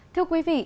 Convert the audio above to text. thưa quý vị